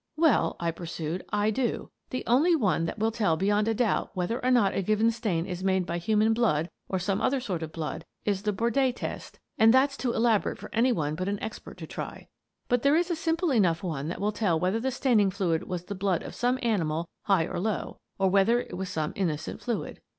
" Well," I pursued, " I do. The only one that will tell beyond a doubt whether or not a given stain is made by human blood or some other sort of blood is the Bordet test, and that's too elaborate for any one but an expert to try. But there is a simple enough one that will tell whether the staining fluid was the blood of some animal high or low, or whether it was some innocent fluid.